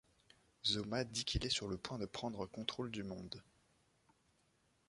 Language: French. Zoma dit qu'il est sur le point de prendre contrôle du monde.